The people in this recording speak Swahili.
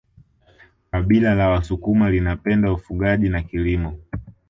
kabila la wasukuma linapenda ufugaji na kilimo